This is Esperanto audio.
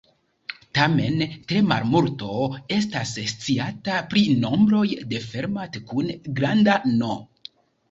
Tamen, tre malmulto estas sciata pri nombroj de Fermat kun granda "n".